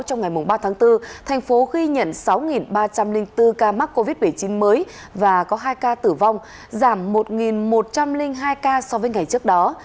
trong ngày ba tháng bốn thành phố ghi nhận sáu ba trăm linh bốn ca mắc covid một mươi chín mới và có hai ca tử vong giảm một một trăm linh hai ca so với ngày trước đó